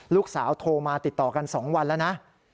ลูกสาวโทรมาติดต่อกัน๒วันแล้วนะ